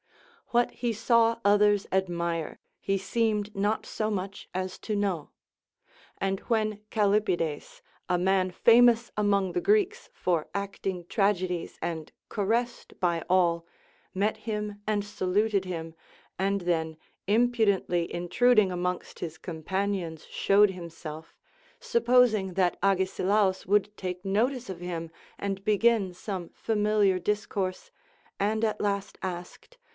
What he saw others admire he seemed not so much as to know ; and when Callipides, a man famous among the Greeks for acting tragedies and caressed by all, met him and saluted him, and then impudently intruding amongst his companions showed himself, supposing that Agesilaus would take notice of him and begin some familiar dis course, and at last asked.